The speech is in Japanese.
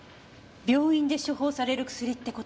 病院で処方される薬って事？